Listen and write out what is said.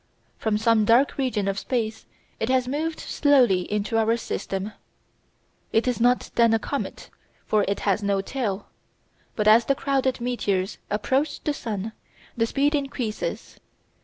From some dark region of space it has moved slowly into our system. It is not then a comet, for it has no tail. But as the crowded meteors approach the sun, the speed increases.